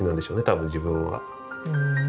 多分自分は。